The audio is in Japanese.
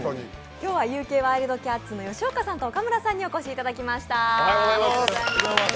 今日はＵ．ＫＷｉｌｄｃａｔｓの吉岡さんと岡村さんにお越しいただきました。